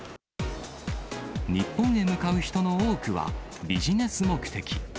日本へ向かう人の多くは、ビジネス目的。